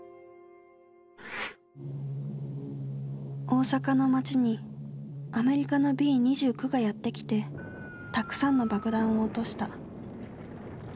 大阪の街にアメリカのＢ−２９がやって来てたくさんの爆弾を落とした。